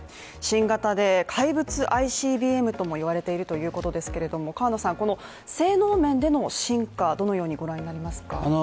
新型で怪物ＩＣＢＭともいわれているということですけどこの性能面での進化、どのように御覧になりますか？